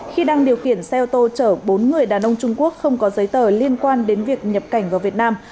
khi đang điều khiển xe ô tô chở bốn người đàn ông trung quốc không có giấy tờ liên quan đến việc nhập cảnh vào việt nam